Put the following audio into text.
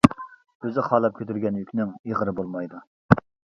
ئۆزى خالاپ كۆتۈرگەن يۈكنىڭ ئېغىرى بولمايدۇ.